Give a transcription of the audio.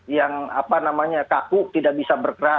yang apa namanya kakuk tidak bisa bergerak